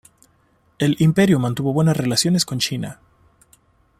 El Imperio mantuvo buenas relaciones con China.